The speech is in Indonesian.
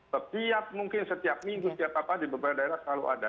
setiap mungkin setiap minggu setiap apa di beberapa daerah selalu ada